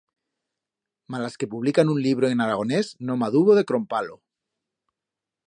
Malas que publican un libro en aragonés, no m'adubo de crompar-lo.